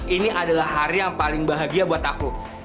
ini adalah hari yang paling bahagia buat aku